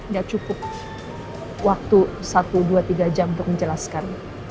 gak cukup waktu satu dua tiga jam untuk menjelaskan